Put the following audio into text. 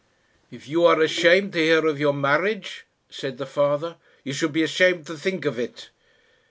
"If you are ashamed to hear of your marriage," said the father, "you should be ashamed to think of it."